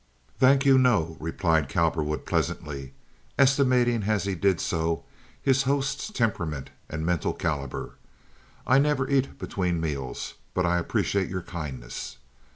"Thank you, no," replied Cowperwood, pleasantly, estimating as he did so his host's temperament and mental caliber. "I never eat between meals, but I appreciate your kindness.